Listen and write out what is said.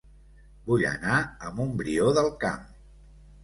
Vull anar a Montbrió del Camp